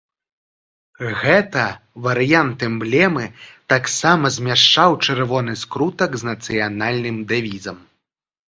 Гэта варыянт эмблемы таксама змяшчаў чырвоны скрутак з нацыянальным дэвізам.